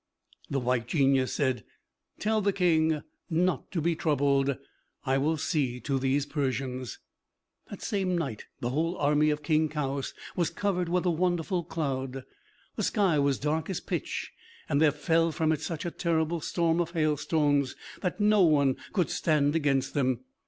'" The White Genius said, "Tell the King not to be troubled; I will see to these Persians." That same night the whole army of King Kaoüs was covered with a wonderful cloud. The sky was dark as pitch, and there fell from it such a terrible storm of hailstones that no one could stand against them.